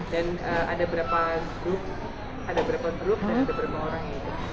dan ada berapa grup dan berapa orang